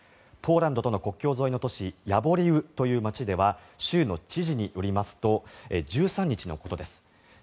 ポーランドとの国境沿いの都市ヤボリウという街では州の知事によりますと１３日のことです。